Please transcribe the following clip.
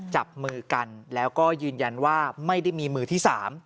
จับมือกันแล้วก็ยืนยันว่าไม่ได้มีมือที่๓